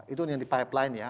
itu yang di pipeline ya